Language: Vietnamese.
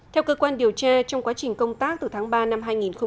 theo cơ quan điều tra trong quá trình công tác từ tháng ba năm hai nghìn một mươi tám